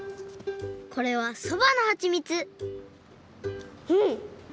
これはそばのはちみつうん！